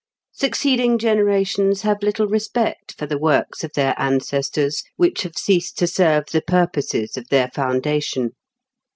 Succeed ing generations have little respect for the works of their ancestors which have ceased ta serve the purposes of their foundation.